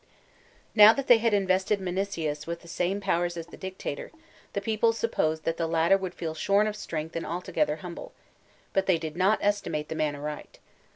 Now that they had invested Minucius with the same powers as the dictator, the people supposed that the latter would feel shorn of strength and altogether humble, but they did not estimate the man aright.